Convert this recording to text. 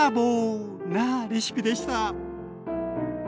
なレシピでした。